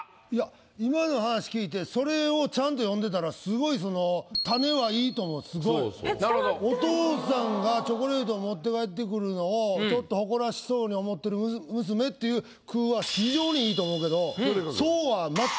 今の話聞いてそれをちゃんと詠んでたらすごいお父さんがチョコレートを持って帰って来るのをちょっと誇らしそうに思ってる娘っていう句はそうはなるほど。